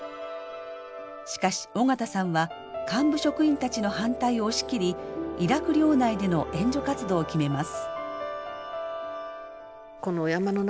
しかし緒方さんは幹部職員たちの反対を押し切りイラク領内での援助活動を決めます。